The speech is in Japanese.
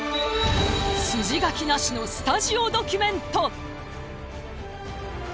筋書きなしのスタジオドキュメント！